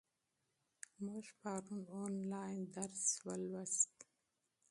موږ پرون آنلاین درس ولوست.